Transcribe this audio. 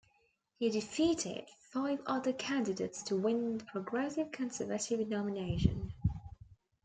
He defeated five other candidates to win the Progressive Conservative nomination.